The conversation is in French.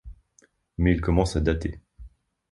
Mais il commence à dater.